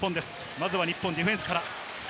まず日本、ディフェンスから。